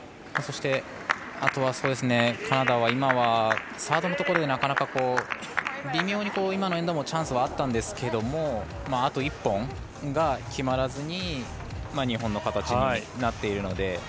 あとはカナダはサードのところでなかなか微妙に今のエンドもチャンスはあったんですがあと一本が決まらずに日本の形になっているので。